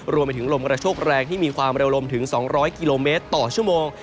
รวมไปถึงลมกระโชคแรงที่มีความเร็วลมถึง๒๐๐กิโลเมตรต่อชั่วโมง